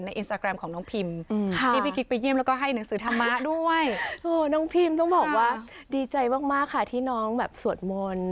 น้องพิมต้องบอกว่าดีใจมากค่ะที่น้องสวดมนต์